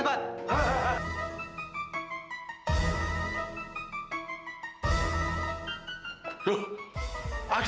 z tartu dia di atas